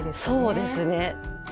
そうですね。